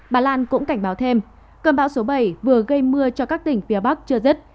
bà lan cũng cảnh báo thêm cơn bão số bảy vừa gây mưa cho các tỉnh phía bắc chưa dứt